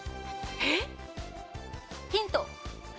えっ？ヒント。